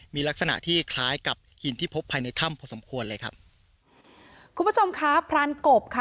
มีลักษณะที่คล้ายกับหินที่พบภายในถ้ำพอสมควรเลยครับคุณผู้ชมครับพรานกบค่ะ